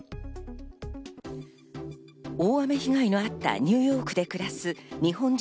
大雨被害のあったニューヨークで暮らす日本人